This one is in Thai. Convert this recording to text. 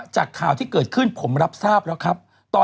จากข่าวที่เกิดขึ้นผมรับทราบแล้วครับ